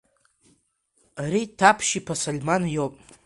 Ари Таԥшьиԥа Сальман иоуп.